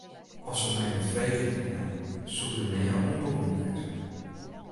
As se my net frege hiene, soe ik der nea oan begûn wêze.